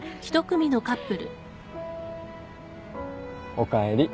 おかえり。